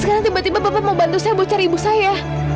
sekarang tiba tiba bapak mau bantu saya bocah ibu saya